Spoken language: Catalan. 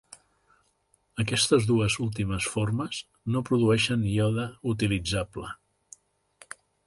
Aquestes dues últimes formes no produeixen iode utilitzable.